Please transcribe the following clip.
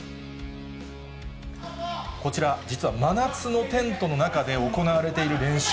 こちら、実は真夏のテントの中で行われている練習。